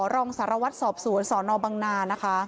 รองสารวัตรสอบสวนสนบังนานะคะ